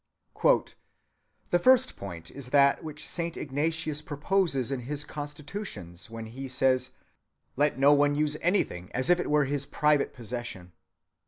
"The first point is that which Saint Ignatius proposes in his constitutions, when he says, 'Let no one use anything as if it were his private possession.